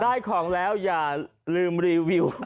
ได้ของแล้วอย่าลืมรีวิว